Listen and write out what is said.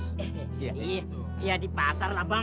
iya di pasar lah bang